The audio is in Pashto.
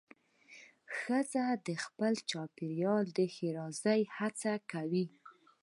ښځه د خپل چاپېریال د ښېرازۍ هڅه کوي.